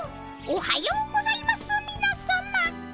おはようございますみなさま。